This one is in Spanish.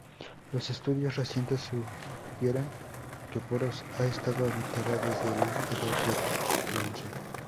Los estudios recientes sugieren que Poros ha estado habitada desde la Edad del Bronce.